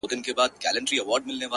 ورته نظمونه ليكم ـ